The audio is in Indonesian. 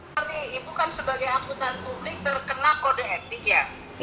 tapi ibu kan sebagai akutan publik terkena kode etik ya